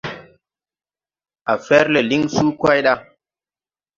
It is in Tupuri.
A fer le liŋ suu kway ɗa.